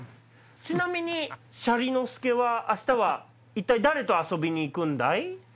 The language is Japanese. ちなみにしゃりのすけは明日一体誰と遊びに行くんだい？